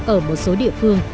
ở một số địa phương